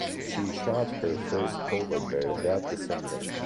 She shot her first polar bear that December.